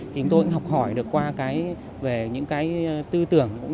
chúng tôi cũng học hỏi được qua những tư tưởng